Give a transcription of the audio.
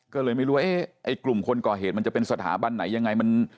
ก็เลยไม่รู้ว่าไอ้กลุ่มคนก่อเหตุมันจะเป็นสถาบันไหนยังไง